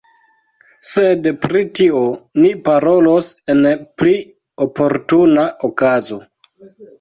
Sed pri tio ni parolos en pli oportuna okazo.